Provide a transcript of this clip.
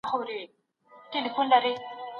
هغه کسان چي په پټو سترګو څه مني نه پوهېږي.